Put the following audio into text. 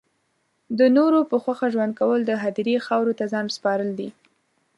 د نورو په خوښه ژوند کول د هدیرې خاورو ته ځان سپارل دی